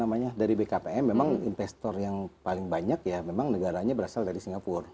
namanya dari bkpm memang investor yang paling banyak ya memang negaranya berasal dari singapura